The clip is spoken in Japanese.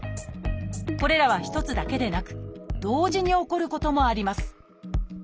これらは一つだけでなく同時に起こることもあります